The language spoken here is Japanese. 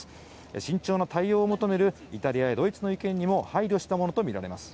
慎重な対応を求めるイタリアやドイツの意見にも配慮したものとみられます。